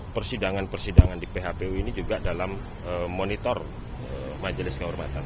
persidangan persidangan di phpu ini juga dalam monitor majelis kehormatan